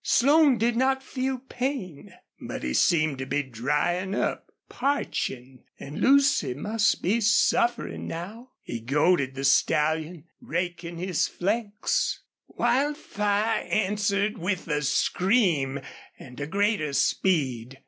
Slone did not feel pain, but he seemed to be drying up, parching. And Lucy must be suffering now. He goaded the stallion, raking his flanks. Wildfire answered with a scream and a greater speed.